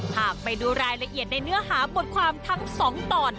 หากไปดูรายละเอียดในเนื้อหาบทความทั้งสองตอน